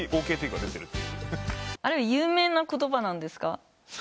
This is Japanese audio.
あれは有名な言葉なんですか？